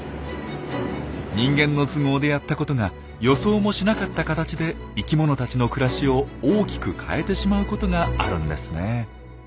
人間の都合でやったことが予想もしなかった形で生きものたちの暮らしを大きく変えてしまうことがあるんですね。